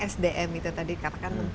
sdm itu tadi katakan